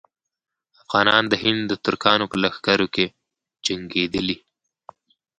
افغانان د هند د ترکانو په لښکرو کې جنګېدلي.